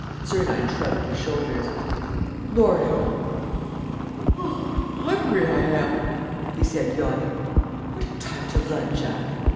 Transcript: Sernine shrugged his shoulders: "Lord, how hungry I am!" he said, yawning. "What a time to lunch at!"